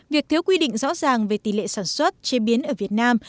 việc thiếu quy định rõ ràng về tỷ lệ sản xuất chế biến ở việt nam